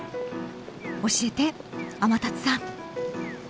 教えて、天達さん。